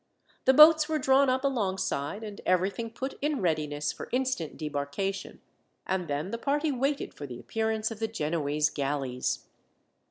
The boats were drawn up alongside, and everything put in readiness for instant debarkation, and then the party waited for the appearance of the Genoese galleys.